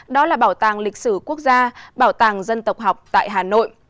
đó là bảo tàng lịch sử quốc gia bảo tàng dân tộc học tại hà nội